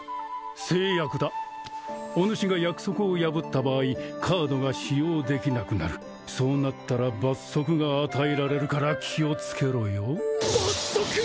誓約だおぬしが約束を破った場合カードが使用できなくなるそうなったら罰則が与えられるから気をつけろよ罰則！？